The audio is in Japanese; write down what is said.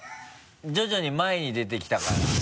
徐々に前に出てきたから。